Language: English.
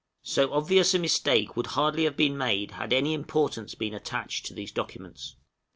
So obvious a mistake would hardly have been made had any importance been attached to these documents.